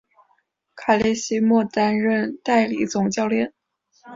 卡勒西莫担任代理总教练。